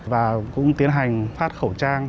và cũng tiến hành phát khẩu trang